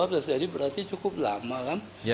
jadi berarti cukup lama kan